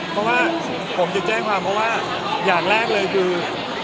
เพราะว่าผมจะแจ้งความเพราะว่าอย่างแรกเลยคือ